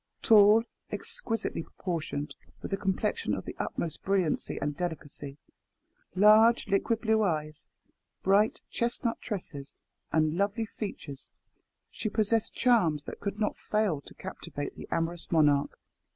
Tall, exquisitely proportioned, with a complexion of the utmost brilliancy and delicacy, large liquid blue eyes, bright chestnut tresses, and lovely features, she possessed charms that could not fall to captivate the amorous monarch.